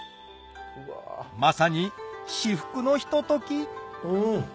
まさに至福のひとときん！